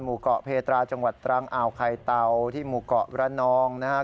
เกาะเพตราจังหวัดตรังอ่าวไข่เตาที่หมู่เกาะระนองนะครับ